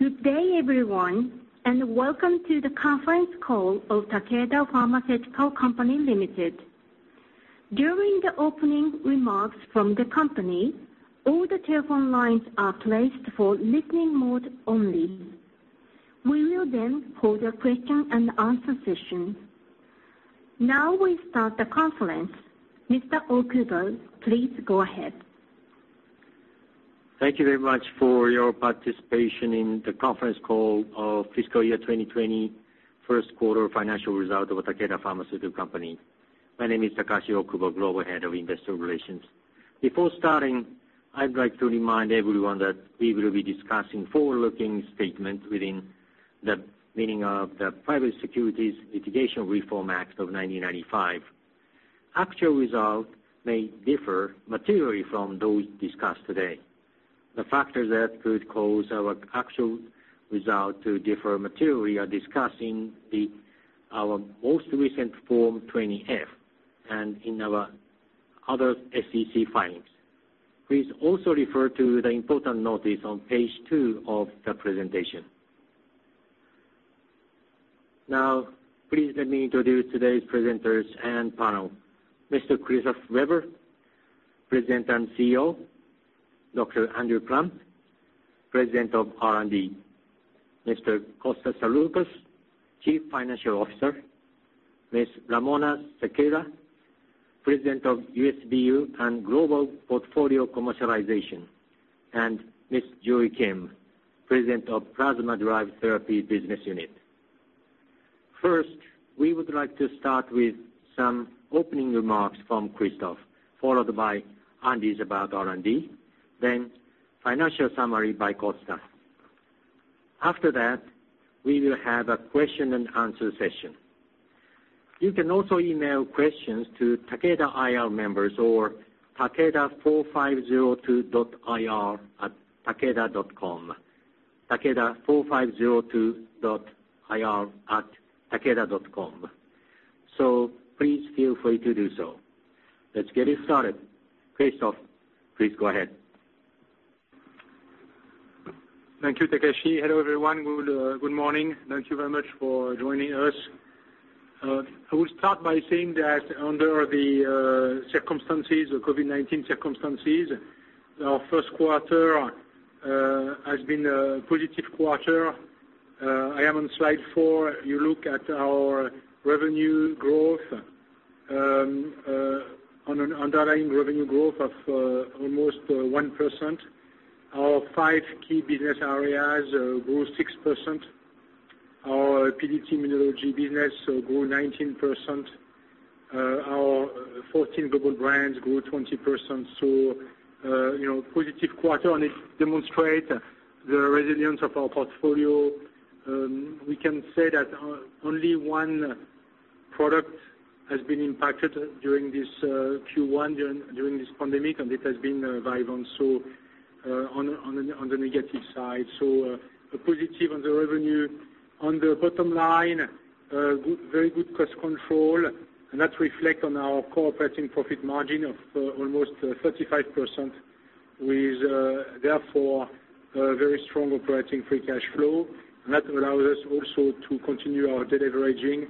Good day, everyone, and welcome to the conference call of Takeda Pharmaceutical Company Limited. During the opening remarks from the company, all the telephone lines are placed for listening mode only. We will then hold a question-and-answer session. Now we start the conference. Mr. Okubo, please go ahead. Thank you very much for your participation in the conference call of fiscal year 2020, first quarter financial results of Takeda Pharmaceutical Company. My name is Takashi Okubo, Global Head of Investor Relations. Before starting, I'd like to remind everyone that we will be discussing forward-looking statements within the meaning of the Private Securities Litigation Reform Act of 1995. Actual results may differ materially from those discussed today. The factors that could cause our actual results to differ materially are discussed in our most recent Form 20-F and in our other SEC filings. Please also refer to the important notice on page two of the presentation. Now, please let me introduce today's presenters and panel. Mr. Christophe Weber, President and CEO, Dr. Andrew Plump, President of R&D, Mr. Costa Saroukos, Chief Financial Officer, Ms. Ramona Sequeira, President of U.S. BU and Global Portfolio Commercialization, and Ms. Julie Kim, President of Plasma-Derived Therapies Business Unit. First, we would like to start with some opening remarks from Christophe, followed by Andy's about R&D, then financial summary by Costa. After that, we will have a question-and-answer session. You can also email questions to Takeda IR members or takeda4502.ir@takeda.com, takeda4502.ir@takeda.com. So please feel free to do so. Let's get it started. Christophe, please go ahead. Thank you, Takashi. Hello, everyone. Good morning. Thank you very much for joining us. I will start by saying that under the circumstances, the COVID-19 circumstances, our first quarter has been a positive quarter. I am on slide four. You look at our revenue growth, an underlying revenue growth of almost 1%. Our five key business areas grew 6%. Our PDT/Immunology business grew 19%. Our 14 global brands grew 20%. So positive quarter, and it demonstrates the resilience of our portfolio. We can say that only one product has been impacted during this Q1, during this pandemic, and it has been Vyvanse, so on the negative side. So positive on the revenue. On the bottom line, very good cost control, and that reflects on our core operating profit margin of almost 35%, with therefore very strong operating free cash flow. And that allows us also to continue our deleveraging,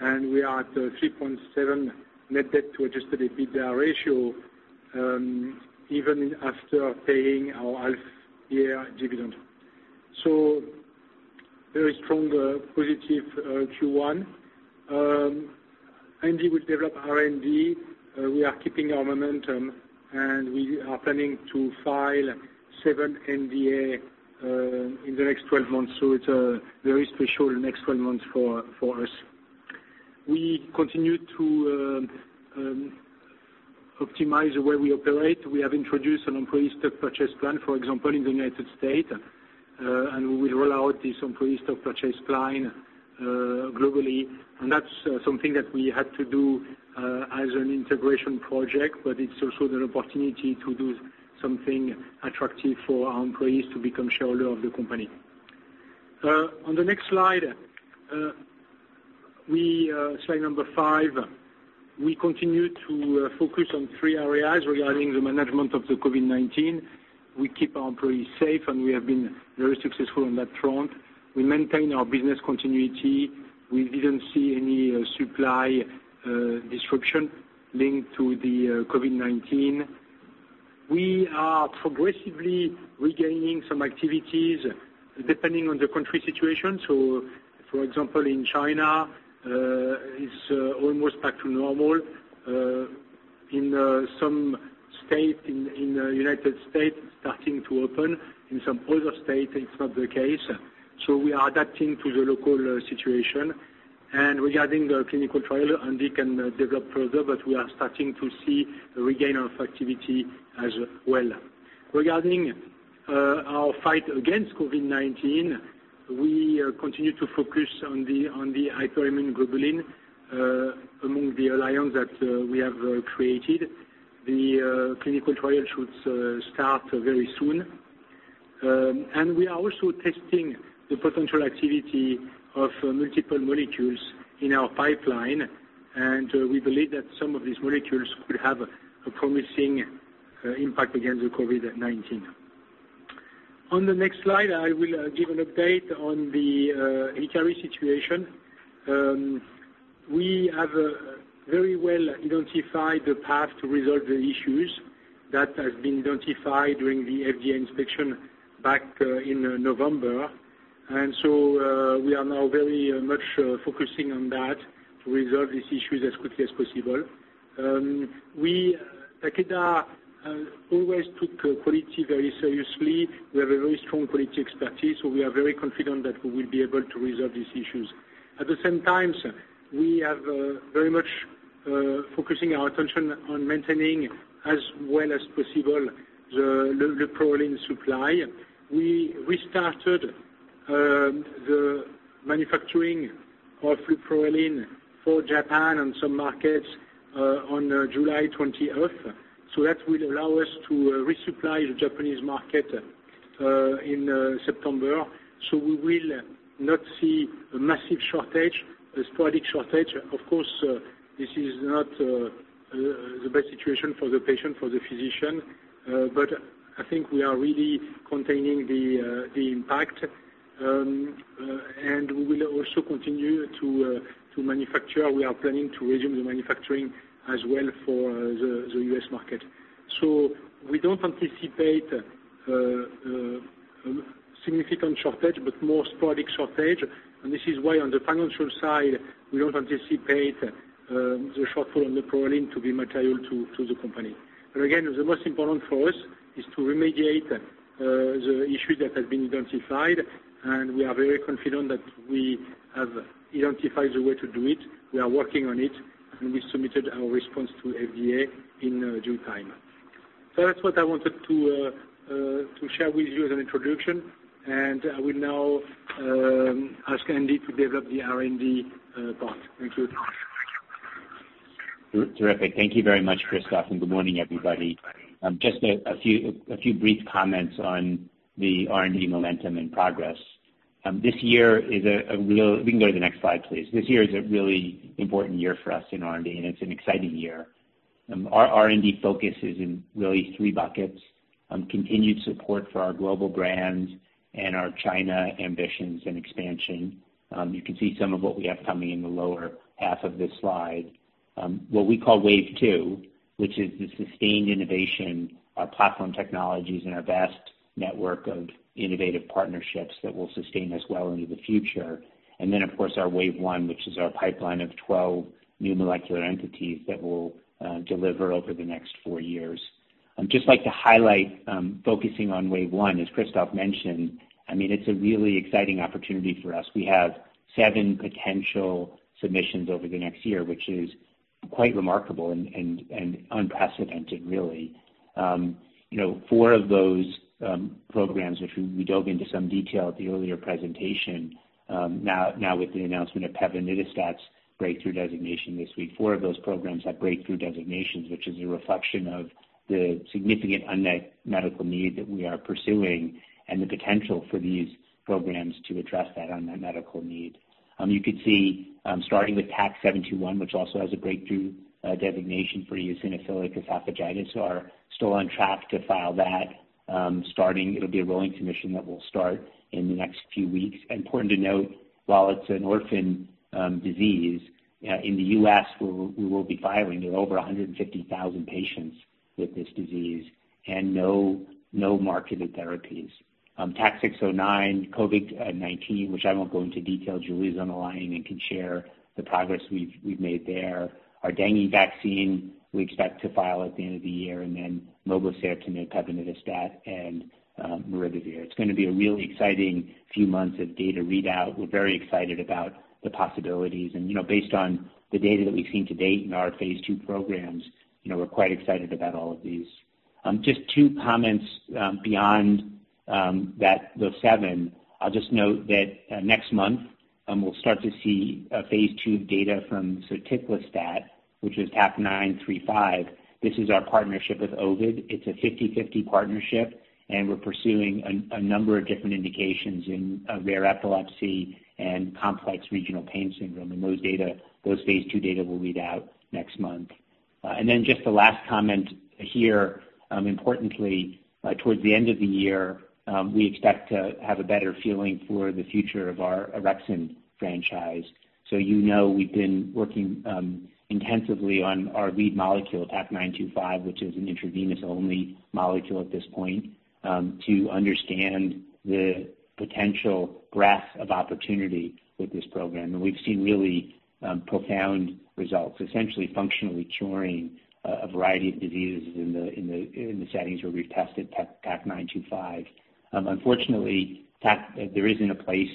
and we are at 3.7 net debt to adjusted EBITDA ratio, even after paying our half-year dividend. So very strong positive Q1. Andy will develop R&D. We are keeping our momentum, and we are planning to file seven NDAs in the next 12 months. So it's a very special next 12 months for us. We continue to optimize the way we operate. We have introduced an employee stock purchase plan, for example, in the United States, and we will roll out this employee stock purchase plan globally. And that's something that we had to do as an integration project, but it's also the opportunity to do something attractive for our employees to become shareholders of the company. On the next slide, slide number five, we continue to focus on three areas regarding the management of the COVID-19. We keep our employees safe, and we have been very successful on that front. We maintain our business continuity. We didn't see any supply disruption linked to the COVID-19. We are progressively regaining some activities depending on the country situation. So, for example, in China, it's almost back to normal. In some states in the United States, it's starting to open. In some other states, it's not the case. So we are adapting to the local situation. And regarding the clinical trials, Andy can develop further, but we are starting to see a regain of activity as well. Regarding our fight against COVID-19, we continue to focus on the hyperimmune globulin with the Alliance that we have created. The clinical trial should start very soon. We are also testing the potential activity of multiple molecules in our pipeline, and we believe that some of these molecules could have a promising impact against the COVID-19. On the next slide, I will give an update on the Hikari situation. We have very well identified the path to resolve the issues that have been identified during the FDA inspection back in November. So we are now very much focusing on that to resolve these issues as quickly as possible. We, Takeda, always took quality very seriously. We have a very strong quality expertise, so we are very confident that we will be able to resolve these issues. At the same time, we have very much focused our attention on maintaining, as well as possible, the leuprorelin supply. We restarted the manufacturing of leuprorelin for Japan and some markets on July 20th. That will allow us to resupply the Japanese market in September. We will not see a massive shortage, a sporadic shortage. Of course, this is not the best situation for the patient, for the physician, but I think we are really containing the impact. We will also continue to manufacture. We are planning to resume the manufacturing as well for the US market. We don't anticipate a significant shortage, but more sporadic shortage. This is why, on the financial side, we don't anticipate the shortfall on the leuprorelin to be material to the company. Again, the most important for us is to remediate the issues that have been identified, and we are very confident that we have identified the way to do it. We are working on it, and we submitted our response to FDA in due time. So that's what I wanted to share with you as an introduction, and I will now ask Andy to develop the R&D part. Thank you. Terrific. Thank you very much, Christophe, and good morning, everybody. Just a few brief comments on the R&D momentum and progress. We can go to the next slide, please. This year is a really important year for us in R&D, and it's an exciting year. Our R&D focus is in really three buckets: continued support for our global brands and our China ambitions and expansion. You can see some of what we have coming in the lower half of this slide. What we call Wave Two, which is the sustained innovation, our platform technologies, and our vast network of innovative partnerships that will sustain us well into the future. And then, of course, our Wave One, which is our pipeline of 12 new molecular entities that will deliver over the next four years. Just like to highlight focusing on Wave One, as Christophe mentioned, I mean, it's a really exciting opportunity for us. We have seven potential submissions over the next year, which is quite remarkable and unprecedented, really. Four of those programs, which we dove into some detail at the earlier presentation, now with the announcement of pevonedistat's breakthrough designation this week, four of those programs have breakthrough designations, which is a reflection of the significant unmet medical need that we are pursuing and the potential for these programs to address that unmet medical need. You can see, starting with TAK-721, which also has a breakthrough designation for eosinophilic esophagitis, are still on track to file that. It'll be a rolling submission that will start in the next few weeks. Important to note, while it's an orphan disease, in the U.S., we will be filing. There are over 150,000 patients with this disease and no marketed therapies. TAK-609, COVID-19, which I won't go into detail. Julie is on the line and can share the progress we've made there. Our dengue vaccine, we expect to file at the end of the year, and then mobocertinib and pevonedistat and maribavir. It's going to be a really exciting few months of data readout. We're very excited about the possibilities. And based on the data that we've seen to date in our phase II programs, we're quite excited about all of these. Just two comments beyond those seven. I'll just note that next month, we'll start to see phase II data from soticlestat, which is TAK-935. This is our partnership with Ovid. It's a 50/50 partnership, and we're pursuing a number of different indications in rare epilepsy and complex regional pain syndrome. Those phase II data will read out next month. Just the last comment here, importantly, towards the end of the year, we expect to have a better feeling for the future of our orexin franchise. You know we've been working intensively on our lead molecule, TAK-925, which is an intravenous-only molecule at this point, to understand the potential breadth of opportunity with this program. And we've seen really profound results, essentially functionally curing a variety of diseases in the settings where we've tested TAK-925. Unfortunately, there isn't a place,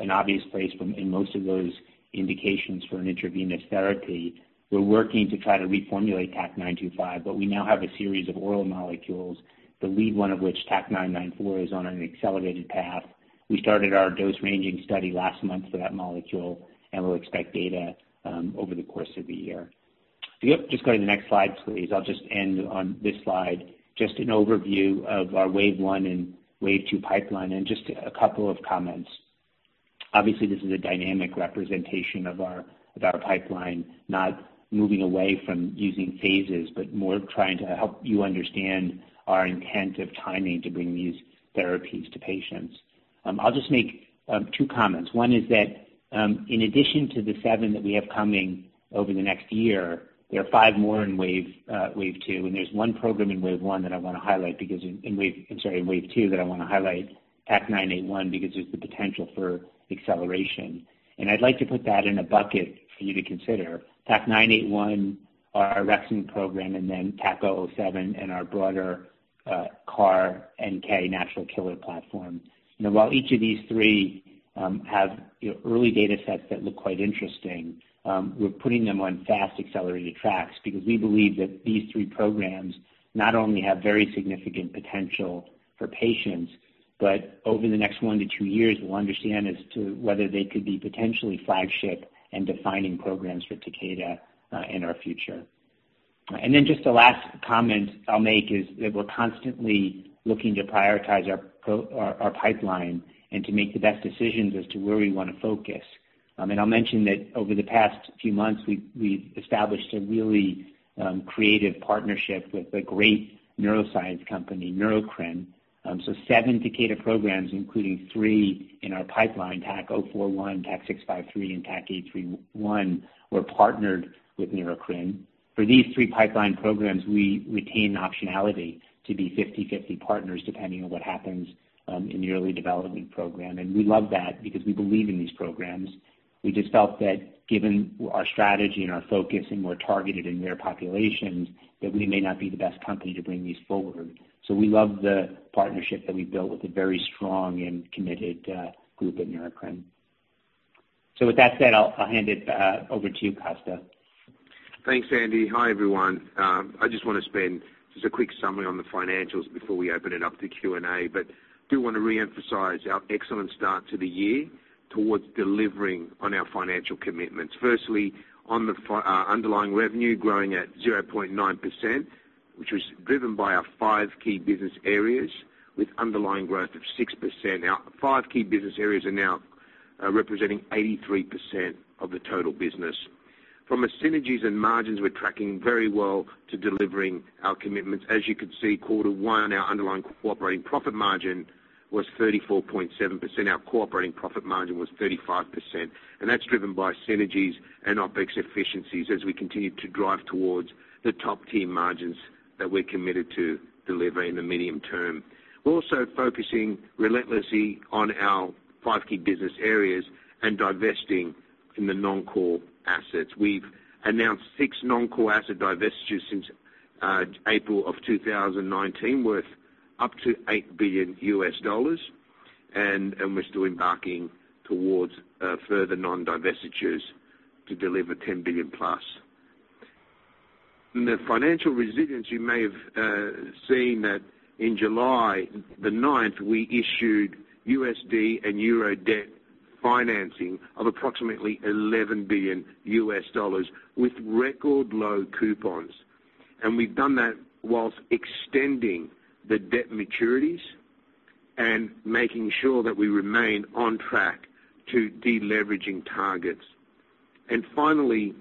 an obvious place in most of those indications for an intravenous therapy. We're working to try to reformulate TAK-925, but we now have a series of oral molecules, the lead one of which, TAK-994, is on an accelerated path. We started our dose-ranging study last month for that molecule, and we'll expect data over the course of the year. Yep, just go to the next slide, please. I'll just end on this slide. Just an overview of our Wave One and Wave Two pipeline and just a couple of comments. Obviously, this is a dynamic representation of our pipeline, not moving away from using phases, but more trying to help you understand our intent of timing to bring these therapies to patients. I'll just make two comments. One is that, in addition to the seven that we have coming over the next year, there are five more in Wave Two. And there's one program in Wave One that I want to highlight because, I'm sorry, in Wave Two that I want to highlight, TAK-981, because there's the potential for acceleration. I'd like to put that in a bucket for you to consider. TAK-981, our orexin program, and then TAK-007 and our broader CAR-NK natural killer platform. While each of these three have early data sets that look quite interesting, we're putting them on fast accelerated tracks because we believe that these three programs not only have very significant potential for patients, but over the next one to two years, we'll understand as to whether they could be potentially flagship and defining programs for Takeda in our future. Just the last comment I'll make is that we're constantly looking to prioritize our pipeline and to make the best decisions as to where we want to focus. I'll mention that over the past few months, we've established a really creative partnership with a great neuroscience company, Neurocrine. So seven Takeda programs, including three in our pipeline, TAK-041, TAK-653, and TAK-831, were partnered with Neurocrine. For these three pipeline programs, we retain optionality to be 50/50 partners depending on what happens in the early development program. And we love that because we believe in these programs. We just felt that, given our strategy and our focus and we're targeted in rare populations, that we may not be the best company to bring these forward. So we love the partnership that we've built with a very strong and committed group at Neurocrine. So with that said, I'll hand it over to you, Costa. Thanks, Andy. Hi, everyone. I just want to spend just a quick summary on the financials before we open it up to Q&A, but do want to re-emphasize our excellent start to the year towards delivering on our financial commitments. Firstly, on the underlying revenue growing at 0.9%, which was driven by our five key business areas with underlying growth of 6%. Now, five key business areas are now representing 83% of the total business. From our synergies and margins, we're tracking very well to delivering our commitments. As you can see, quarter one, our underlying core operating profit margin was 34.7%. Our core operating profit margin was 35%. And that's driven by synergies and OpEx efficiencies as we continue to drive towards the top-tier margins that we're committed to delivering in the medium term. We're also focusing relentlessly on our five key business areas and divesting in the non-core assets. We've announced six non-core asset divestitures since April of 2019 worth up to $8 billion. And we're still embarking towards further non-divestitures to deliver $10+ billion. In the financial resilience, you may have seen that in July 9th, we issued USD and EUR debt financing of approximately $11 billion with record low coupons. And we've done that whilst extending the debt maturities and making sure that we remain on track to deleveraging targets. And finally,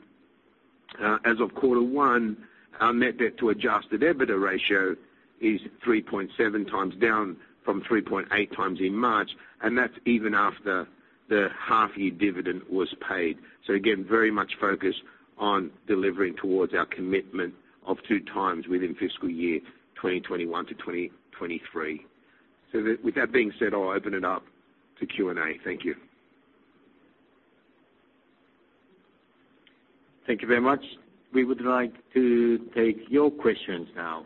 as of quarter one, our net debt to adjusted EBITDA ratio is 3.7x down from 3.8x in March, and that's even after the half-year dividend was paid. So again, very much focused on delivering towards our commitment of two times within fiscal year 2021 to 2023. So with that being said, I'll open it up to Q&A. Thank you. Thank you very much. We would like to take your questions now.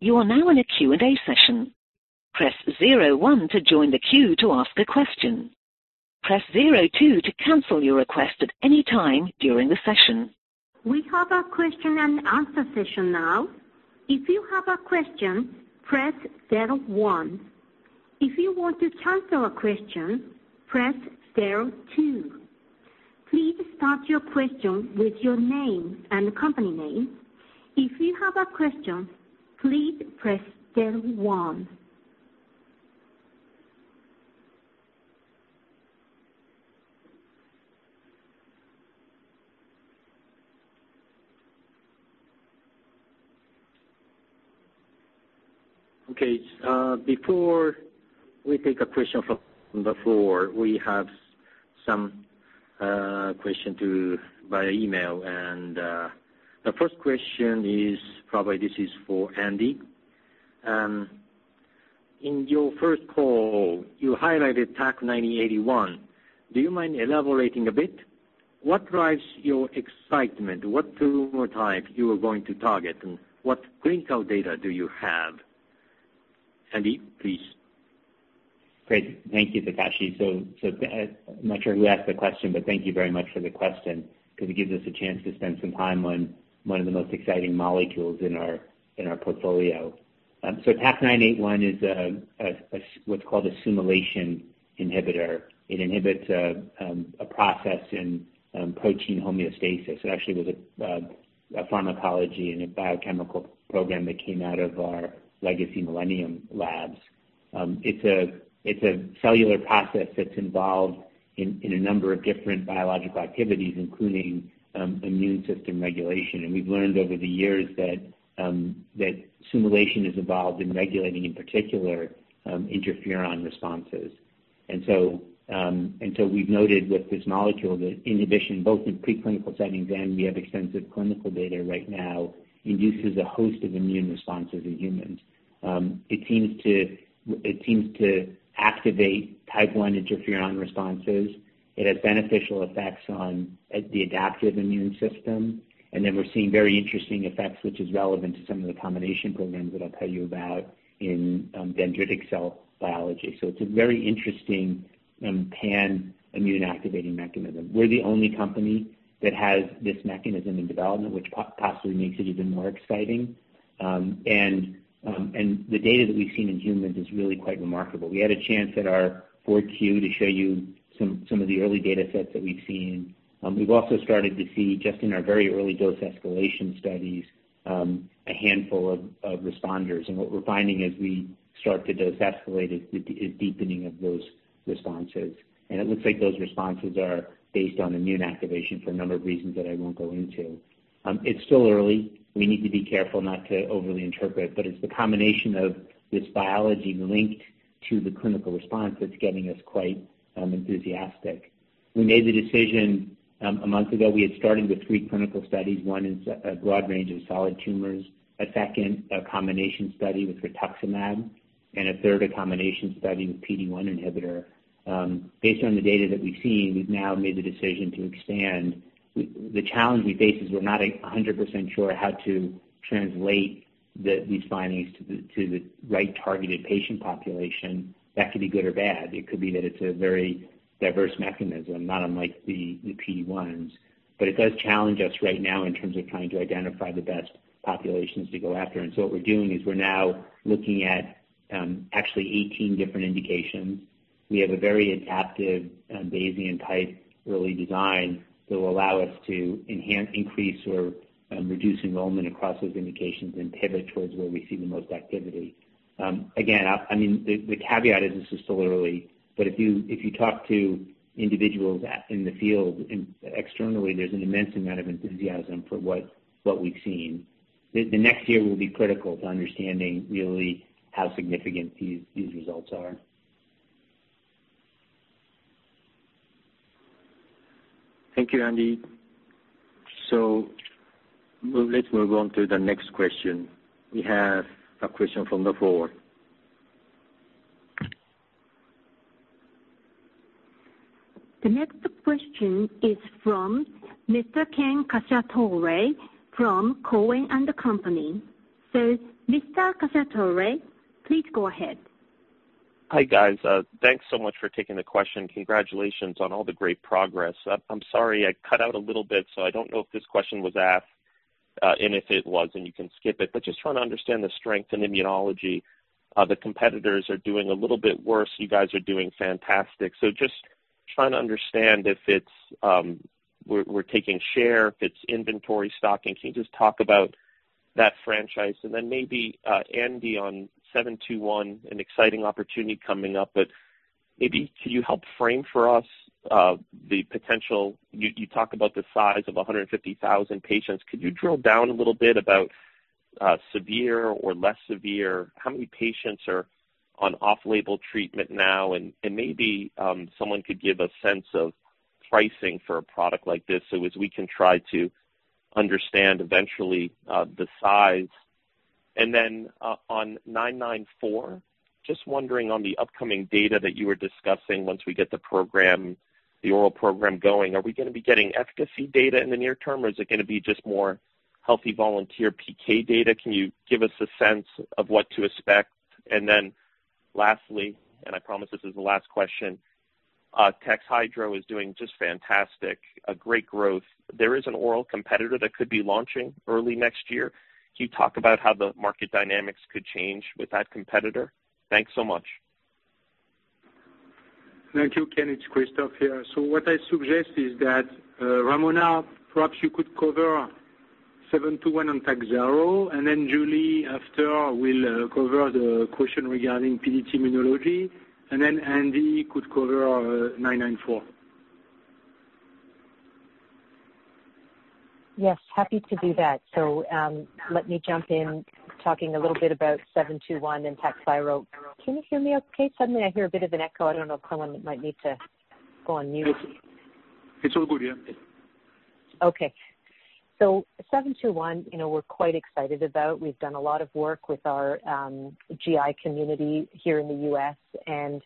You are now in a Q&A session. Press zero one to join the queue to ask a question. Press zero two to cancel your request at any time during the session. We have a question and answer session now. If you have a question, press zero one. If you want to cancel a question, press zero two. Please start your question with your name and company name. If you have a question, please press zero one. Okay. Before we take a question from the floor, we have some questions via email. And the first question is probably this is for Andy. In your first call, you highlighted TAK-981. Do you mind elaborating a bit? What drives your excitement? What tumor type you are going to target? And what clinical data do you have? Andy, please. Great. Thank you, Takashi. So I'm not sure who asked the question, but thank you very much for the question because it gives us a chance to spend some time on one of the most exciting molecules in our portfolio. So TAK-981 is what's called a SUMOylation inhibitor. It inhibits a process in protein homeostasis. It actually was a pharmacology and a biochemical program that came out of our legacy Millennium Labs. It's a cellular process that's involved in a number of different biological activities, including immune system regulation. And we've learned over the years that SUMOylation is involved in regulating, in particular, interferon responses. And so we've noted with this molecule that inhibition, both in preclinical settings and we have extensive clinical data right now, induces a host of immune responses in humans. It seems to activate type I interferon responses. It has beneficial effects on the adaptive immune system, and then we're seeing very interesting effects, which is relevant to some of the combination programs that I'll tell you about in dendritic cell biology, so it's a very interesting pan-immune activating mechanism. We're the only company that has this mechanism in development, which possibly makes it even more exciting, and the data that we've seen in humans is really quite remarkable. We had a chance at our board queue to show you some of the early data sets that we've seen. We've also started to see, just in our very early dose escalation studies, a handful of responders, and what we're finding as we start to dose escalate is deepening of those responses, and it looks like those responses are based on immune activation for a number of reasons that I won't go into. It's still early. We need to be careful not to overly interpret. But it's the combination of this biology linked to the clinical response that's getting us quite enthusiastic. We made the decision a month ago. We had started with three clinical studies. One is a broad range of solid tumors, a second, a combination study with rituximab, and a third, a combination study with PD-1 inhibitor. Based on the data that we've seen, we've now made the decision to expand. The challenge we face is we're not 100% sure how to translate these findings to the right targeted patient population. That could be good or bad. It could be that it's a very diverse mechanism, not unlike the PD-1s. But it does challenge us right now in terms of trying to identify the best populations to go after. And so what we're doing is we're now looking at actually 18 different indications. We have a very adaptive Bayesian-type early design that will allow us to increase or reduce enrollment across those indications and pivot towards where we see the most activity. Again, I mean, the caveat is this is still early. But if you talk to individuals in the field externally, there's an immense amount of enthusiasm for what we've seen. The next year will be critical to understanding really how significant these results are. Thank you, Andy. So let's move on to the next question. We have a question from the floor. The next question is from Mr. Ken Cacciatore, from Cowen and Company. So Mr. Cacciatore, please go ahead. Hi guys. Thanks so much for taking the question. Congratulations on all the great progress. I'm sorry, I cut out a little bit, so I don't know if this question was asked and if it was, and you can skip it. But just trying to understand the strength in Immunology. The competitors are doing a little bit worse. You guys are doing fantastic. So just trying to understand if we're taking share, if it's inventory stocking. Can you just talk about that franchise? And then maybe Andy on 721, an exciting opportunity coming up. But maybe could you help frame for us the potential? You talked about the size of 150,000 patients. Could you drill down a little bit about severe or less severe? How many patients are on off-label treatment now? And maybe someone could give a sense of pricing for a product like this so as we can try to understand eventually the size. And then on 994, just wondering on the upcoming data that you were discussing once we get the program, the oral program going, are we going to be getting efficacy data in the near term, or is it going to be just more healthy volunteer PK data? Can you give us a sense of what to expect? And then lastly, and I promise this is the last question, TAKHZYRO is doing just fantastic. Great growth. There is an oral competitor that could be launching early next year. Can you talk about how the market dynamics could change with that competitor? Thanks so much. Thank you, Ken. Christophe here. So what I suggest is that Ramona, perhaps you could cover 721 and TAKHZYRO. And then Julie, after, will cover the question regarding PDT/Immunology. And then Andy could cover 994. Yes, happy to do that. So let me jump in talking a little bit about 721 and TAKHZYRO. Can you hear me okay? Suddenly, I hear a bit of an echo. I don't know if someone might need to go on mute. It's all good, yeah. Okay, so 721, we're quite excited about. We've done a lot of work with our GI community here in the U.S., and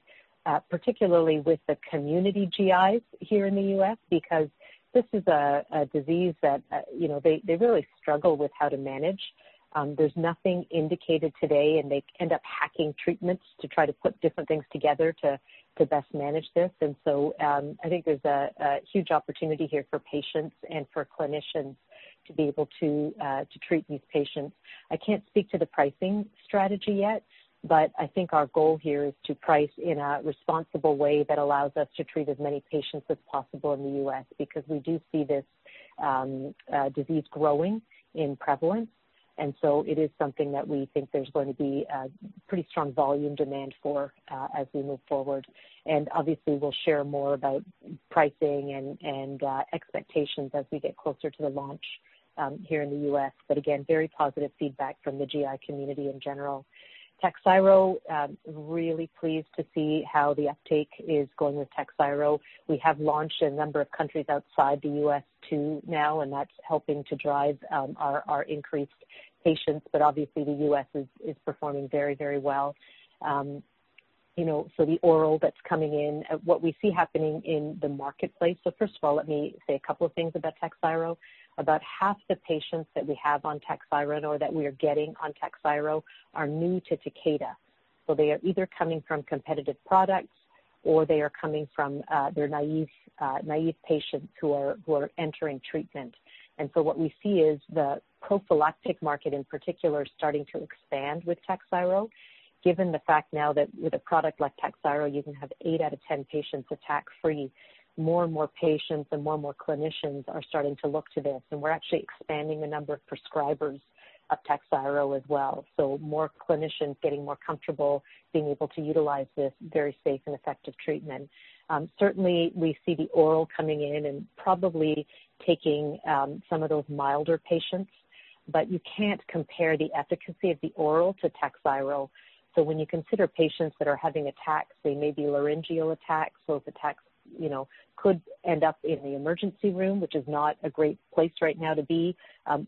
particularly with the community GIs here in the U.S. because this is a disease that they really struggle with how to manage. There's nothing indicated today, and they end up hacking treatments to try to put different things together to best manage this. And so I think there's a huge opportunity here for patients and for clinicians to be able to treat these patients. I can't speak to the pricing strategy yet, but I think our goal here is to price in a responsible way that allows us to treat as many patients as possible in the U.S. because we do see this disease growing in prevalence. And so it is something that we think there's going to be pretty strong volume demand for as we move forward. Obviously, we'll share more about pricing and expectations as we get closer to the launch here in the U.S. Again, very positive feedback from the GI community in general. TAKHZYRO. Really pleased to see how the uptake is going with TAKHZYRO. We have launched in a number of countries outside the U.S. too now, and that's helping to drive our increase in patients. Obviously, the U.S. is performing very, very well. The oral that's coming in, what we see happening in the marketplace. First of all, let me say a couple of things about TAKHZYRO. About half the patients that we have on TAKHZYRO or that we are getting on TAKHZYRO are new to Takeda. They are either coming from competitive products or they are treatment-naive patients who are entering treatment. And so what we see is the prophylactic market in particular starting to expand with TAKHZYRO, given the fact now that with a product like TAKHZYRO, you can have eight out of 10 patients attack-free. More and more patients and more and more clinicians are starting to look to this. And we're actually expanding the number of prescribers of TAKHZYRO as well. So more clinicians getting more comfortable being able to utilize this very safe and effective treatment. Certainly, we see the oral coming in and probably taking some of those milder patients. But you can't compare the efficacy of the oral to TAKHZYRO. So when you consider patients that are having attacks, they may be laryngeal attacks. So if attacks could end up in the emergency room, which is not a great place right now to be,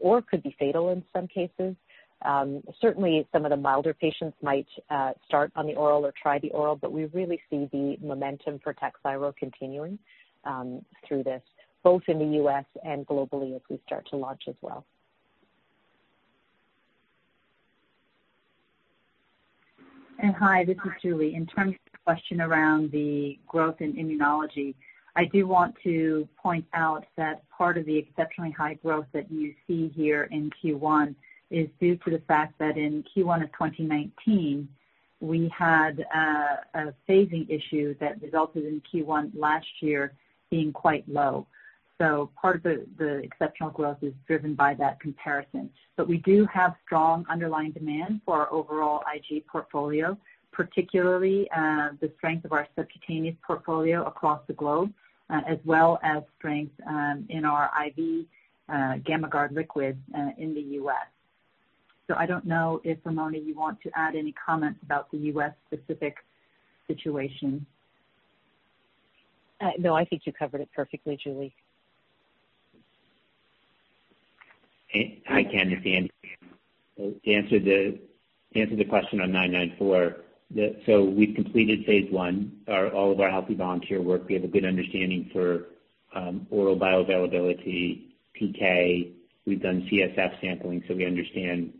or could be fatal in some cases. Certainly, some of the milder patients might start on the oral or try the oral. But we really see the momentum for TAKHZYRO continuing through this, both in the U.S. and globally as we start to launch as well. Hi, this is Julie. In terms of the question around the growth in Immunology, I do want to point out that part of the exceptionally high growth that you see here in Q1 is due to the fact that in Q1 of 2019, we had a phasing issue that resulted in Q1 last year being quite low. So part of the exceptional growth is driven by that comparison. But we do have strong underlying demand for our overall IG portfolio, particularly the strength of our subcutaneous portfolio across the globe, as well as strength in our IV GAMMAGARD LIQUID in the U.S. So I don't know if, Ramona, you want to add any comments about the U.S.-specific situation. No, I think you covered it perfectly, Julie. Hi, Ken. This is Andy. To answer the question on 994, we've completed phase I or all of our healthy volunteer work. We have a good understanding for oral bioavailability, PK. We've done CSF sampling, so we understand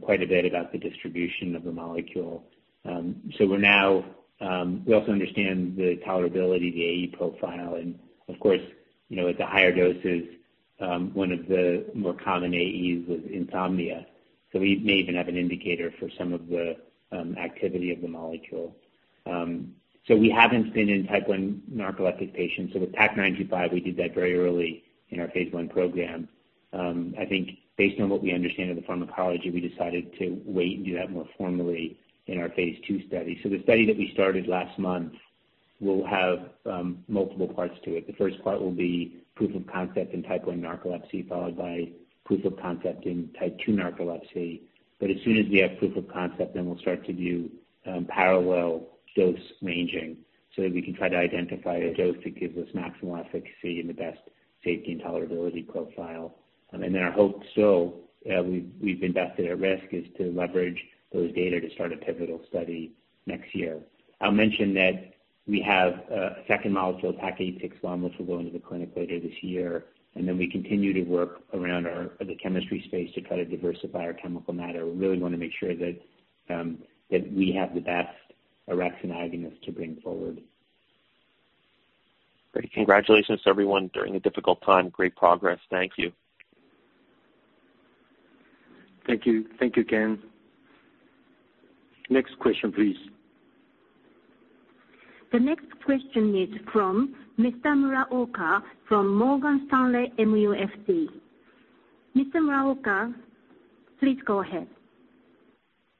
quite a bit about the distribution of the molecule. We also understand the tolerability, the AE profile. And of course, at the higher doses, one of the more common AEs was insomnia. We may even have an indicator for some of the activity of the molecule. We haven't been in type I narcoleptic patients. With TAK-925, we did that very early in our phase I program. I think based on what we understand of the pharmacology, we decided to wait and do that more formally in our phase II study. The study that we started last month will have multiple parts to it. The first part will be proof of concept in type I narcolepsy, followed by proof of concept in type II narcolepsy. But as soon as we have proof of concept, then we'll start to do parallel dose ranging so that we can try to identify a dose that gives us maximal efficacy and the best safety and tolerability profile. And then our hope, so we've invested at risk, is to leverage those data to start a pivotal study next year. I'll mention that we have a second molecule, TAK-861, which will go into the clinic later this year. And then we continue to work around the chemistry space to try to diversify our chemical matter. We really want to make sure that we have the best orexin agonists to bring forward. Great. Congratulations to everyone during the difficult time. Great progress. Thank you. Thank you. Thank you, Ken. Next question, please. The next question is from Mr. Muraoka from Morgan Stanley MUFG. Mr. Muraoka, please go ahead.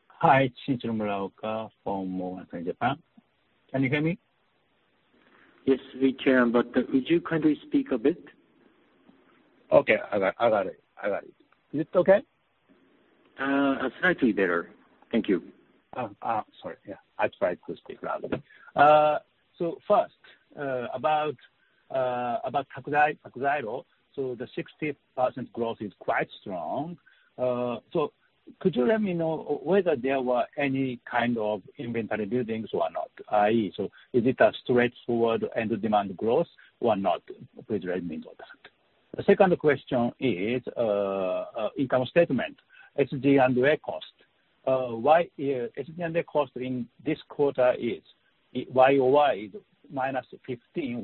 Hi. This is Muraoka from Morgan Stanley MUFG. Can you hear me? Yes, we can. But would you kindly speak a bit? Okay. I got it. I got it. Is it okay? Slightly better. Thank you. Oh, sorry. Yeah. I tried to speak louder. So first, about TAKHZYRO, so the 60% growth is quite strong. So could you let me know whether there were any kind of inventory build-ups or not, i.e., so is it a straightforward underlying demand growth or not? Please let me know that. The second question is income statement, SG&A cost. SG&A cost in this quarter is YoY minus 15%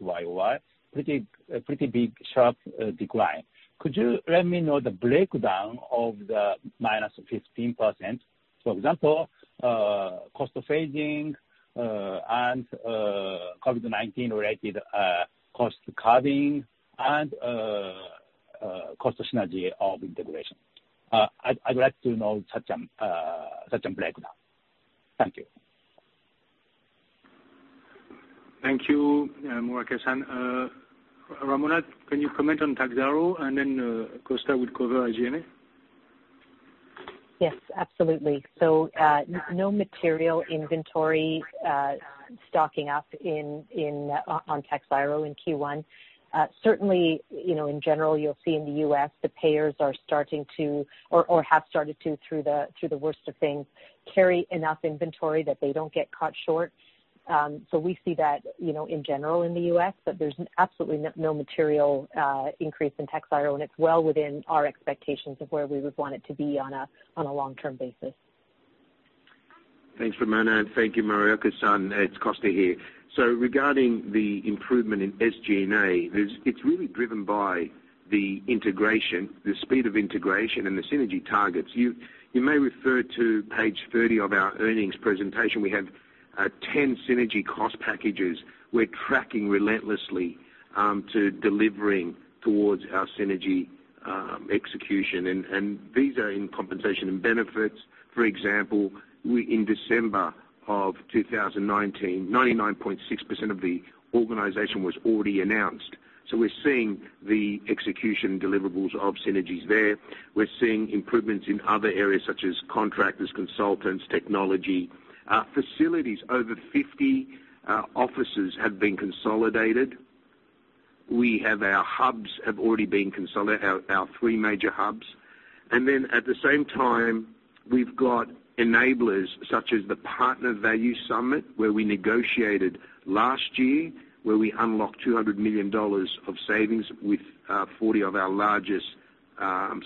YoY, pretty big sharp decline. Could you let me know the breakdown of the -15%? For example, cost of phasing and COVID-19-related cost savings and cost synergies of integration. I'd like to know such a breakdown. Thank you. Thank you, Muraoka. Ramona, can you comment on TAKHZYRO? And then Costa would cover SG&A. Yes, absolutely, so no material inventory stocking up on TAKHZYRO in Q1. Certainly, in general, you'll see in the U.S., the payers are starting to, or have started to, through the worst of things, carry enough inventory that they don't get caught short, so we see that in general in the U.S., but there's absolutely no material increase in TAKHZYRO, and it's well within our expectations of where we would want it to be on a long-term basis. Thanks, Ramona. And thank you, Muraoka. It's Costa here. So regarding the improvement in SG&A, it's really driven by the integration, the speed of integration, and the synergy targets. You may refer to page 30 of our earnings presentation. We have 10 synergy cost packages we're tracking relentlessly to delivering towards our synergy execution. And these are in compensation and benefits. For example, in December of 2019, 99.6% of the organization was already announced. So we're seeing the execution deliverables of synergies there. We're seeing improvements in other areas such as contractors, consultants, technology. Facilities, over 50 offices have been consolidated. We have our hubs already been consolidated, our three major hubs. And then at the same time, we've got enablers such as the Partner Value Summit, where we negotiated last year, where we unlocked $200 million of savings with 40 of our largest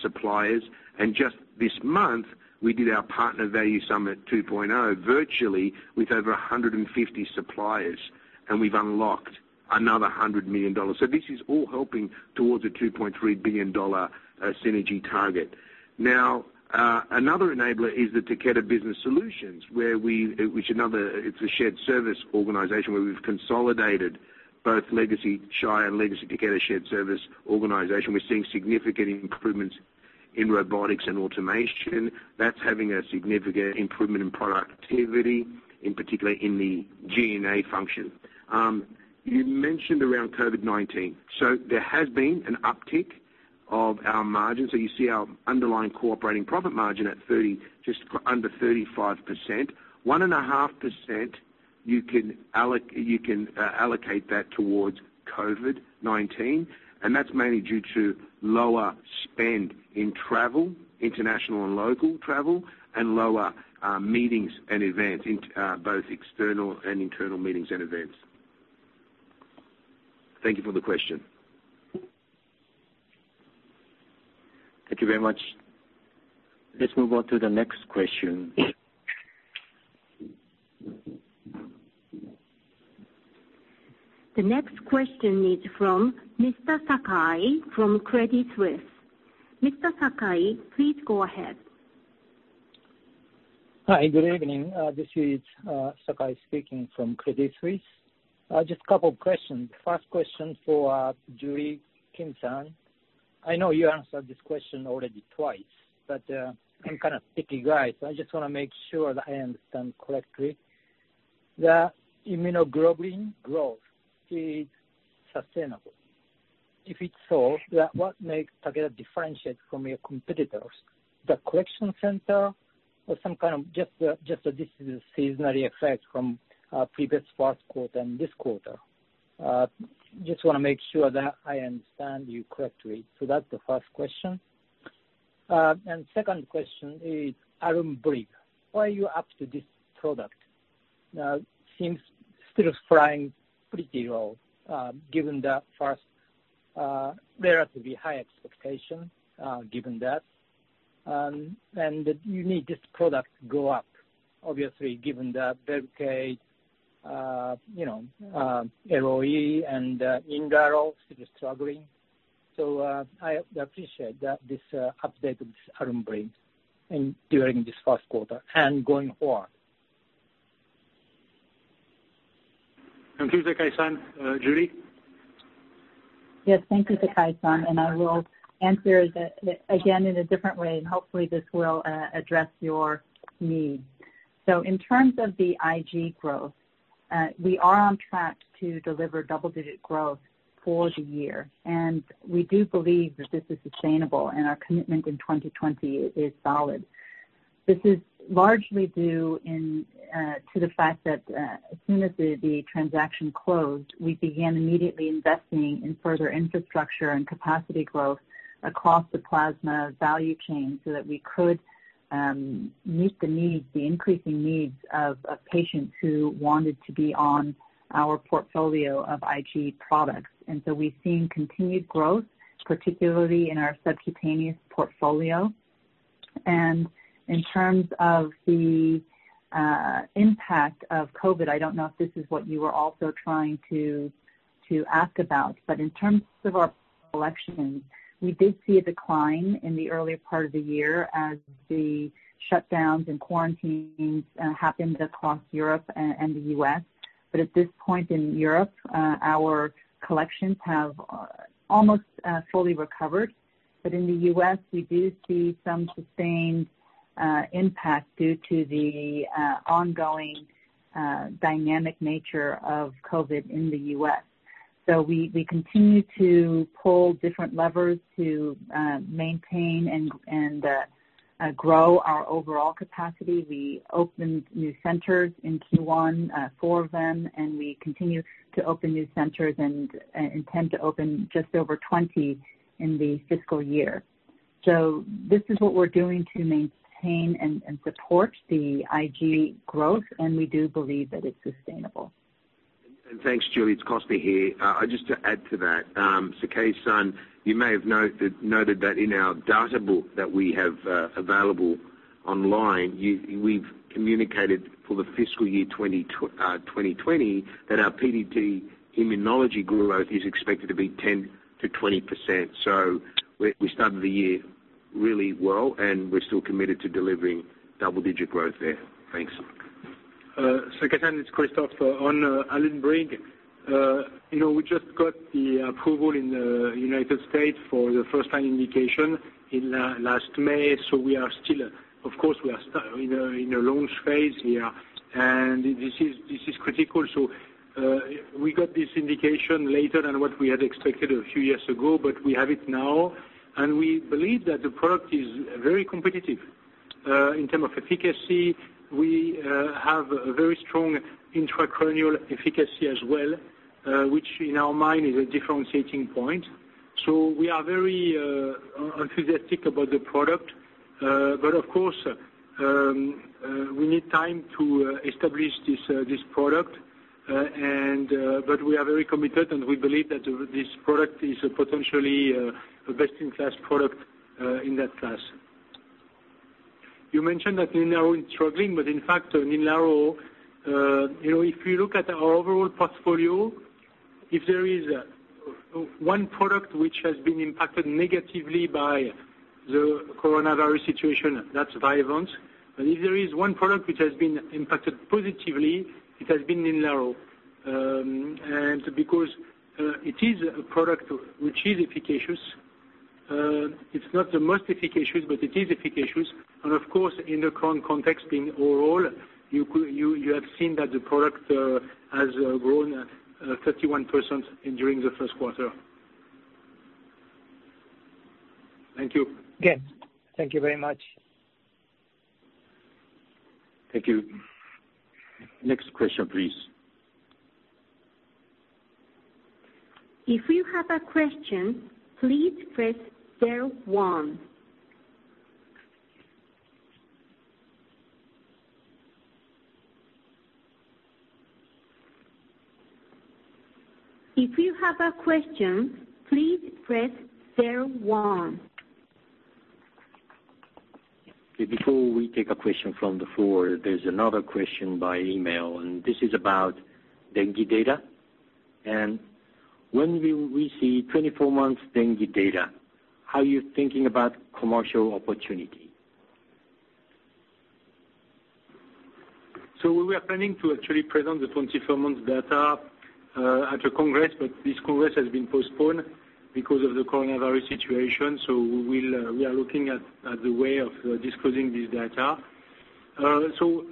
suppliers. Just this month, we did our Partner Value Summit 2.0 virtually with over 150 suppliers, and we've unlocked another $100 million. So this is all helping towards a $2.3 billion synergy target. Now, another enabler is the Takeda Business Solutions, which is a shared service organization where we've consolidated both Legacy Shire and Legacy Takeda Shared Service Organization. We're seeing significant improvements in robotics and automation. That's having a significant improvement in productivity, in particular in the G&A function. You mentioned around COVID-19. So there has been an uptick of our margin. So you see our underlying core operating profit margin at just under 35%. 1.5%, you can allocate that towards COVID-19. And that's mainly due to lower spend in travel, international and local travel, and lower meetings and events, both external and internal meetings and events. Thank you for the question. Thank you very much. Let's move on to the next question. The next question is from Mr. Sakai from Credit Suisse. Mr. Sakai, please go ahead. Hi. Good evening. This is Sakai speaking from Credit Suisse. Just a couple of questions. The first question for Julie Kim-san. I know you answered this question already twice, but I'm kind of picky, guys. I just want to make sure that I understand correctly. The immunoglobulin growth is sustainable. If it's so, what makes Takeda differentiate from your competitors? The collection center or some kind of just a seasonal effect from previous first quarter and this quarter? Just want to make sure that I understand you correctly. So that's the first question. And second question is, ALUNBRIG, why are you up to this product? Now, it seems still flying pretty well given the first relatively high expectation given that. And you need this product to go up, obviously, given the Velcade LOE and NINLARO are struggling. I appreciate this update of this ALUNBRIG during this first quarter and going forward. Thank you, Sakai-san. Julie? Yes. Thank you, Sakai-san. And I will answer again in a different way, and hopefully, this will address your needs. So in terms of the IG growth, we are on track to deliver double-digit growth for the year. And we do believe that this is sustainable, and our commitment in 2020 is solid. This is largely due to the fact that as soon as the transaction closed, we began immediately investing in further infrastructure and capacity growth across the plasma value chain so that we could meet the increasing needs of patients who wanted to be on our portfolio of IG products. And so we've seen continued growth, particularly in our subcutaneous portfolio. And in terms of the impact of COVID, I don't know if this is what you were also trying to ask about. But in terms of our collections, we did see a decline in the earlier part of the year as the shutdowns and quarantines happened across Europe and the U.S. But at this point in Europe, our collections have almost fully recovered. But in the U.S., we do see some sustained impact due to the ongoing dynamic nature of COVID in the U.S. So we continue to pull different levers to maintain and grow our overall capacity. We opened new centers in Q1, four of them, and we continue to open new centers and intend to open just over 20 in the fiscal year. So this is what we're doing to maintain and support the IG growth, and we do believe that it's sustainable. And thanks, Julie. It's Costa here. Just to add to that, Sakai-san, you may have noted that in our data book that we have available online, we've communicated for the fiscal year 2020 that our PDT/Immunology growth is expected to be 10%-20%. So we started the year really well, and we're still committed to delivering double-digit growth there. Thanks. Second-hand, it's Christophe on ALUNBRIG. We just got the approval in the United States for the first-line indication last May. So we are still, of course, we are in a launch phase here. And this is critical. So we got this indication later than what we had expected a few years ago, but we have it now. And we believe that the product is very competitive in terms of efficacy. We have a very strong intracranial efficacy as well, which in our mind is a differentiating point. So we are very enthusiastic about the product. But of course, we need time to establish this product. But we are very committed, and we believe that this product is potentially a best-in-class product in that class. You mentioned that NINLARO is struggling, but in fact, NINLARO, if you look at our overall portfolio, if there is one product which has been impacted negatively by the coronavirus situation, that's Vyvanse. But if there is one product which has been impacted positively, it has been NINLARO. And because it is a product which is efficacious, it's not the most efficacious, but it is efficacious. And of course, in the current context being overall, you have seen that the product has grown 31% during the first quarter. Thank you. Yes. Thank you very much. Thank you. Next question, please. If you have a question, please press zero one. If you have a question, please press zero one. Before we take a question from the floor, there's another question by email. And this is about dengue data. And when we see 24-month dengue data, how are you thinking about commercial opportunity? So we were planning to actually present the 24-month data at a congress, but this congress has been postponed because of the coronavirus situation. So we are looking at the way of disclosing this data. So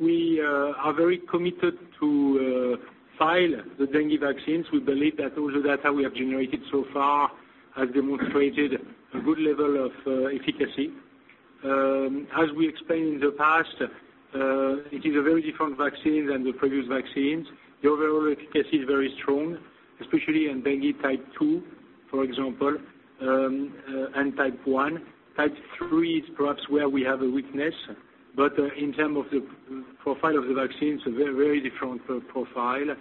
we are very committed to file the dengue vaccines. We believe that all the data we have generated so far has demonstrated a good level of efficacy. As we explained in the past, it is a very different vaccine than the previous vaccines. The overall efficacy is very strong, especially in dengue type 2, for example, and type 1. Type 3 is perhaps where we have a weakness. But in terms of the profile of the vaccine, it's a very different profile.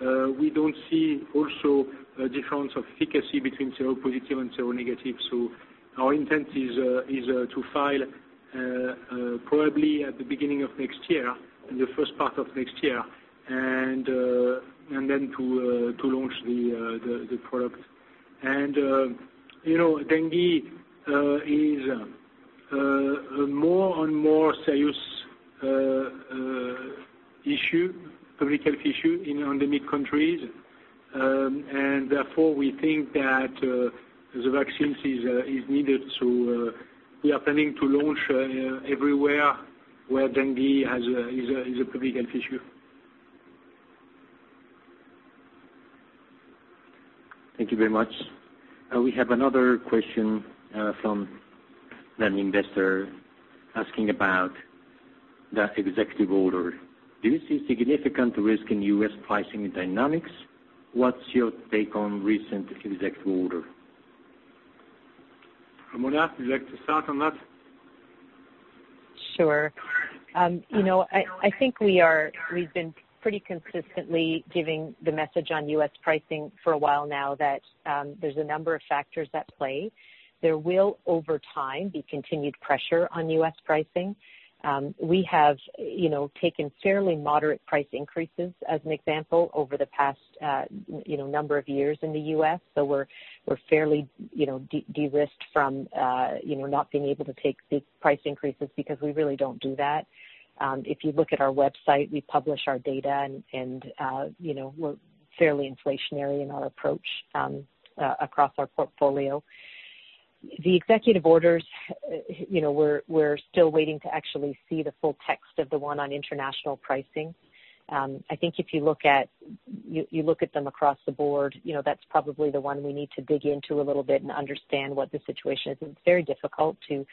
We don't see also a difference of efficacy between seropositive and seronegative. Our intent is to file probably at the beginning of next year, in the first part of next year, and then to launch the product. Dengue is a more and more serious issue, public health issue in the endemic countries. Therefore, we think that the vaccine is needed. We are planning to launch everywhere where dengue is a public health issue. Thank you very much. We have another question from an investor asking about the executive order. Do you see significant risk in U.S. pricing dynamics? What's your take on recent executive order? Ramona, would you like to start on that? Sure. I think we've been pretty consistently giving the message on U.S. pricing for a while now that there's a number of factors at play. There will, over time, be continued pressure on U.S. pricing. We have taken fairly moderate price increases, as an example, over the past number of years in the U.S. So we're fairly de-risked from not being able to take big price increases because we really don't do that. If you look at our website, we publish our data, and we're fairly inflationary in our approach across our portfolio. The executive orders, we're still waiting to actually see the full text of the one on international pricing. I think if you look at them across the board, that's probably the one we need to dig into a little bit and understand what the situation is. It's very difficult to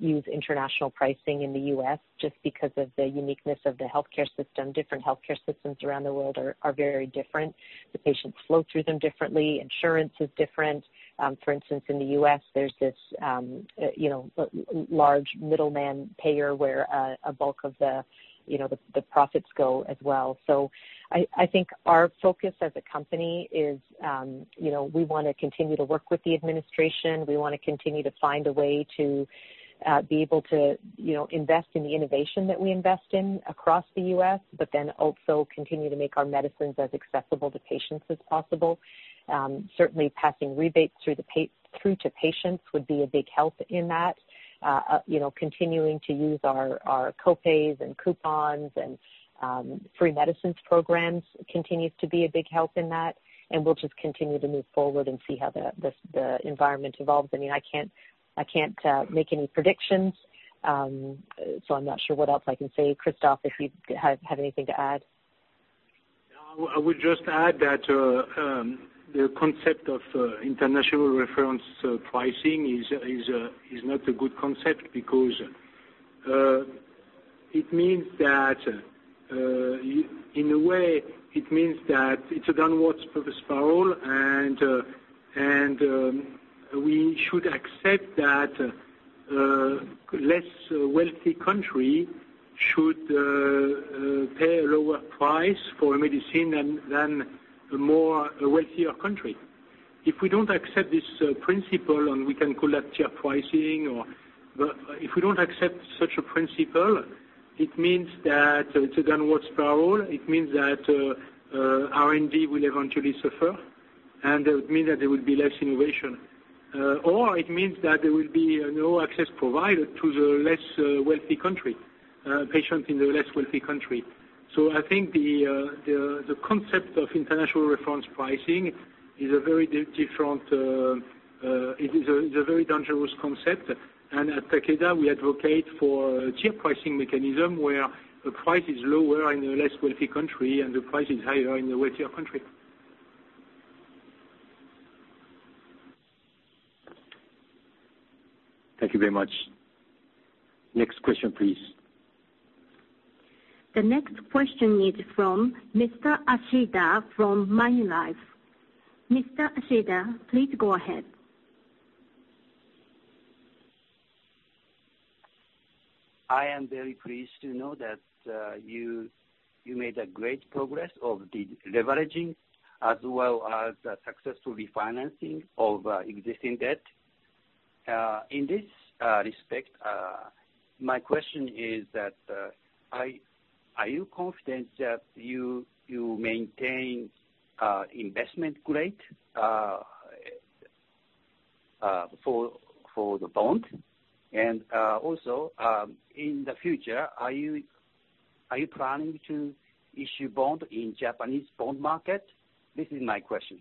use international pricing in the U.S. just because of the uniqueness of the healthcare system. Different healthcare systems around the world are very different. The patients flow through them differently. Insurance is different. For instance, in the U.S., there's this large middleman payer where a bulk of the profits go as well. So I think our focus as a company is we want to continue to work with the administration. We want to continue to find a way to be able to invest in the innovation that we invest in across the U.S., but then also continue to make our medicines as accessible to patients as possible. Certainly, passing rebates through to patients would be a big help in that. Continuing to use our copays and coupons and free medicines programs continues to be a big help in that. We'll just continue to move forward and see how the environment evolves. I mean, I can't make any predictions, so I'm not sure what else I can say. Christophe, if you have anything to add. I would just add that the concept of International Reference Pricing is not a good concept because it means that in a way, it means that it's a downward spiral, and we should accept that less wealthy countries should pay a lower price for medicine than a wealthier country. If we don't accept this principle, and we can call that cheap pricing, but if we don't accept such a principle, it means that it's a downward spiral. It means that R&D will eventually suffer, and it means that there will be less innovation. Or it means that there will be no access provided to the less wealthy country, patients in the less wealthy country. So I think the concept of International Reference Pricing is a very different. It is a very dangerous concept. At Takeda, we advocate for a cheap pricing mechanism where the price is lower in the less wealthy country and the price is higher in the wealthier country. Thank you very much. Next question, please. The next question is from Mr. Ashida from Tokai Tokyo Research Center. Mr. Ashida, please go ahead. I am very pleased to know that you made great progress on the deleveraging as well as successful refinancing of existing debt. In this respect, my question is, are you confident that you maintain investment grade for the bond? And also, in the future, are you planning to issue bond in Japanese bond market? This is my question.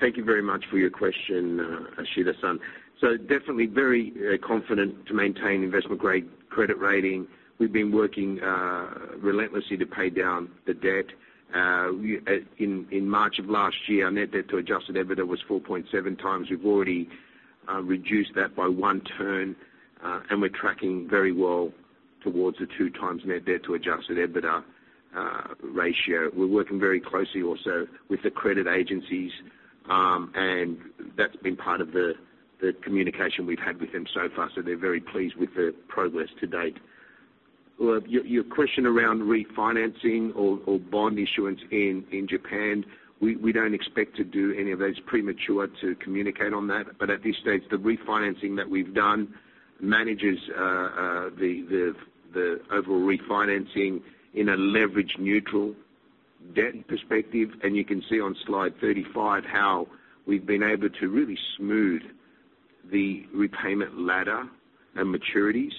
Thank you very much for your question, Ashida-san. So definitely very confident to maintain investment grade credit rating. We've been working relentlessly to pay down the debt. In March of last year, our net debt to adjusted EBITDA was 4.7x. We've already reduced that by one turn, and we're tracking very well towards the two times net debt to adjusted EBITDA ratio. We're working very closely also with the credit agencies, and that's been part of the communication we've had with them so far. So they're very pleased with the progress to date. Your question around refinancing or bond issuance in Japan, we don't expect to do any of those. It's premature to communicate on that. But at this stage, the refinancing that we've done manages the overall refinancing in a leverage-neutral debt perspective. And you can see on slide 35 how we've been able to really smooth the repayment ladder and maturities.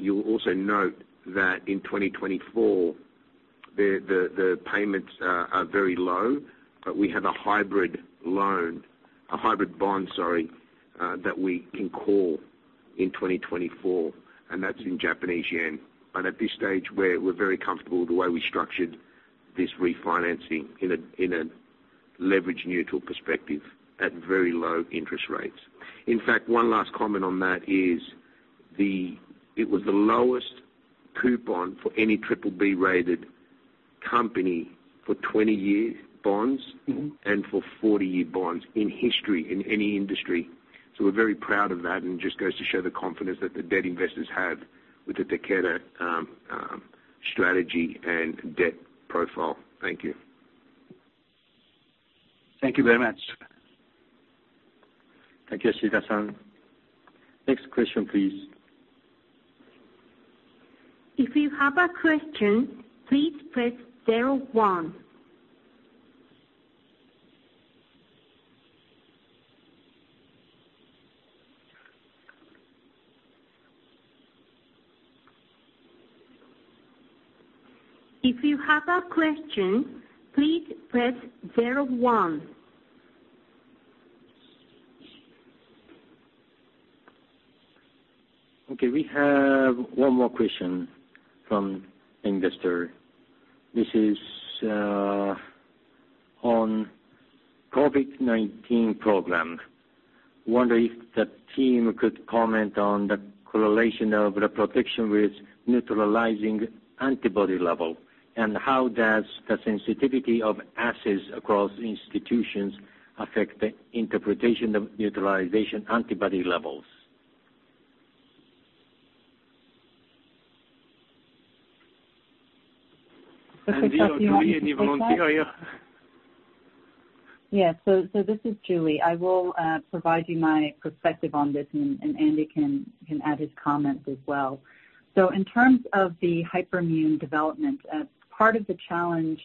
You'll also note that in 2024, the payments are very low, but we have a hybrid loan, a hybrid bond, sorry, that we can call in 2024, and that's in Japanese yen. But at this stage, we're very comfortable with the way we structured this refinancing in a leverage-neutral perspective at very low interest rates. In fact, one last comment on that is it was the lowest coupon for any BBB-rated company for 20-year bonds and for 40-year bonds in history in any industry. So we're very proud of that, and it just goes to show the confidence that the debt investors have with the Takeda strategy and debt profile. Thank you. Thank you very much, Thank you Ashida-san. Next question, please. If you have a question, please press zero one. Okay. We have one more question from an investor. This is on COVID-19 program. Wonder if the team could comment on the correlation of the protection with neutralizing antibody level, and how does the sensitivity of assays across institutions affect the interpretation of neutralizing antibody levels? Andy, are you ready? Any volunteer? Are you? Yes. So this is Julie. I will provide you my perspective on this, and Andy can add his comments as well. So in terms of the hyperimmune development, part of the challenge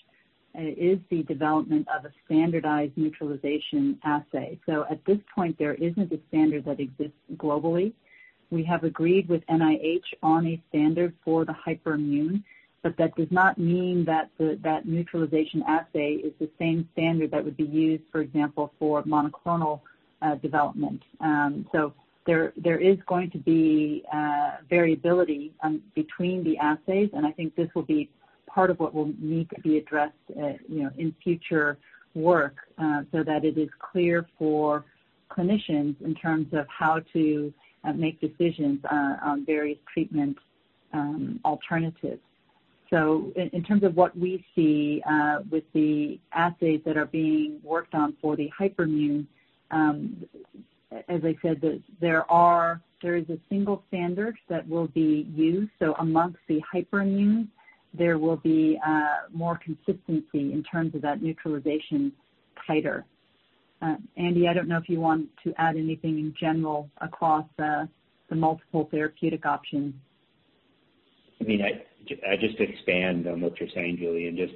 is the development of a standardized neutralization assay. So at this point, there isn't a standard that exists globally. We have agreed with NIH on a standard for the hyperimmune, but that does not mean that that neutralization assay is the same standard that would be used, for example, for monoclonal development. So there is going to be variability between the assays, and I think this will be part of what will need to be addressed in future work so that it is clear for clinicians in terms of how to make decisions on various treatment alternatives. So in terms of what we see with the assays that are being worked on for the hyperimmune, as I said, there is a single standard that will be used. So amongst the hyperimmune, there will be more consistency in terms of that neutralization titer. Andy, I don't know if you want to add anything in general across the multiple therapeutic options. I mean, I just expand on what you're saying, Julie, and just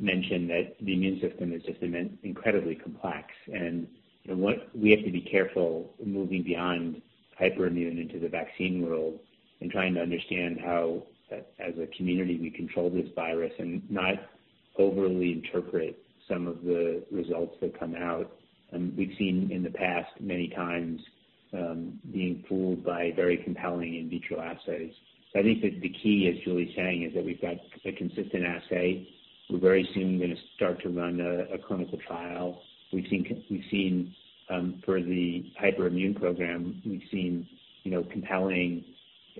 mention that the immune system is just incredibly complex. And we have to be careful moving beyond hyperimmune into the vaccine world and trying to understand how, as a community, we control this virus and not overly interpret some of the results that come out. And we've seen in the past many times being fooled by very compelling in vitro assays. So I think that the key, as Julie's saying, is that we've got a consistent assay. We're very soon going to start to run a clinical trial. We've seen for the hyperimmune program, we've seen compelling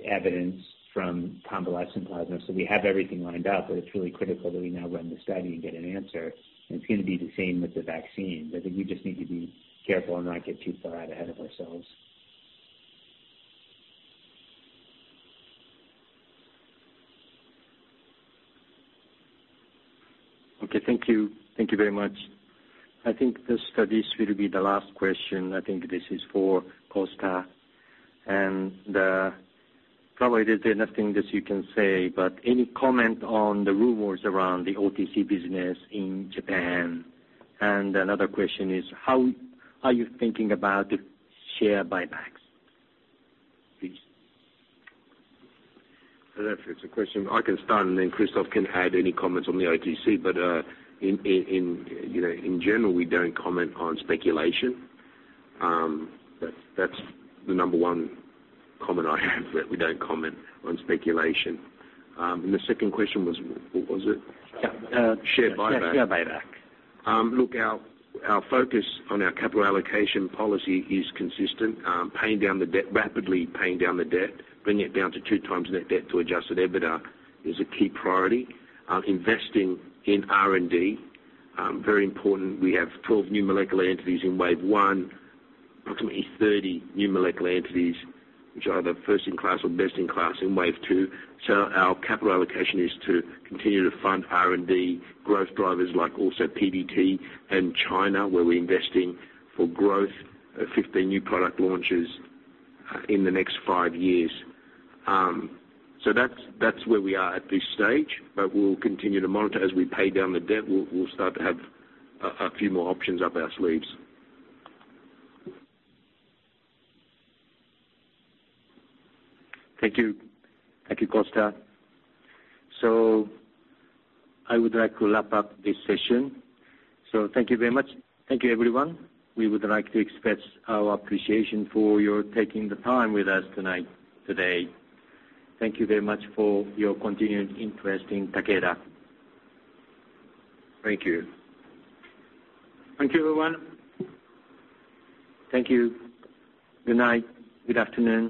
evidence from convalescent plasma. So we have everything lined up, but it's really critical that we now run the study and get an answer. And it's going to be the same with the vaccine. I think we just need to be careful and not get too far out ahead of ourselves. Okay. Thank you. Thank you very much. I think this is really the last question. I think this is for Costa, and probably there's nothing that you can say, but any comment on the rumors around the OTC business in Japan? And another question is, how are you thinking about the share buybacks? Please. I don't know if it's a question. I can start, and then Christophe can add any comments on the OTC. But in general, we don't comment on speculation. That's the number one comment I have, that we don't comment on speculation. And the second question was, what was it? Share buyback. Share buyback. Look, our focus on our capital allocation policy is consistent. Rapidly paying down the debt, bringing it down to two times net debt to adjusted EBITDA is a key priority. Investing in R&D, very important. We have 12 new molecular entities in wave one, approximately 30 new molecular entities, which are the first-in-class or best-in-class in wave two. So our capital allocation is to continue to fund R&D growth drivers like also PDT and China, where we're investing for growth of 15 new product launches in the next five years. So that's where we are at this stage, but we'll continue to monitor. As we pay down the debt, we'll start to have a few more options up our sleeves. Thank you. Thank you, Costa. So I would like to wrap up this session. So thank you very much. Thank you, everyone. We would like to express our appreciation for your taking the time with us today. Thank you very much for your continued interest in Takeda. Thank you. Thank you, everyone. Thank you. Good night. Good afternoon.